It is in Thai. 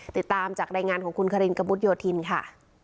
ติดตามจากรายงานของคุณคารินกระมุดโยธินค่ะ